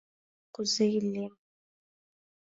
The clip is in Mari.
Мыйже вара кузе илем?!